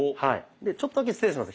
ちょっとだけ失礼します。